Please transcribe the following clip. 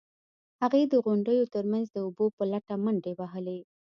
هغې د غونډیو ترمنځ د اوبو په لټه منډې وهلې.